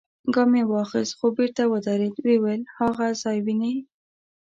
ګام يې واخيست، خو بېرته ودرېد، ويې ويل: هاغه ځای وينې؟